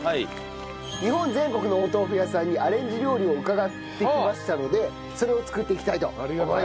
日本全国のお豆腐屋さんにアレンジ料理を伺ってきましたのでそれを作っていきたいと思います。